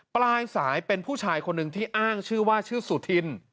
ปลายสายเป็นผู้ชายคนหนึ่งที่อ้างชื่อว่าชื่อสุธิน